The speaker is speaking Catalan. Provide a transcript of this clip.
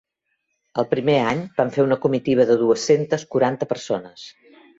El primer any vam fer una comitiva de dues-centes quaranta persones.